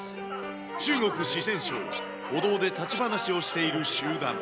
中国・四川省、歩道で立ち話をしている集団。